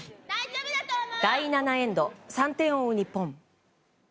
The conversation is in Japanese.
第７エンド、３点を追う日本。